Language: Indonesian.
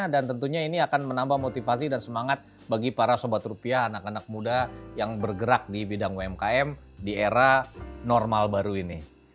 dan tentunya ini akan menambah motivasi dan semangat bagi para sobat rupiah anak anak muda yang bergerak di bidang umkm di era normal baru ini